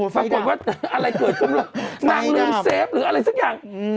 ปรากฏว่าอะไรเกิดขึ้นไม่รู้นางลืมเซฟหรืออะไรสักอย่าง